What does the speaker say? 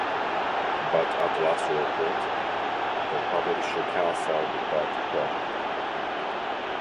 But at last report, the publisher canceled that project.